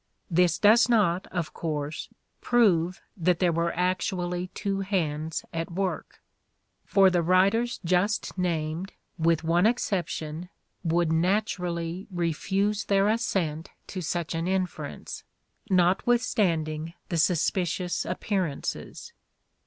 This does not, of course, prove that there were actually two hands at work; for the writers just named, with one exception, would naturally refuse their assent to such an inference, notwithstanding the suspicious a] pearances.